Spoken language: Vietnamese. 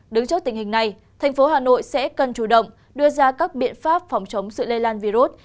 đứng trước tình hình này thành phố hà nội sẽ cần chủ động đưa ra các biện pháp phòng chống sự lây lan virus